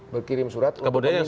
berkirim surat untuk meminta